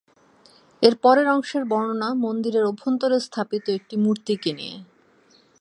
এর পরের অংশের বর্ণনা মন্দিরের অভ্যন্তরে স্থাপিত একটি মূর্তিকে নিয়ে।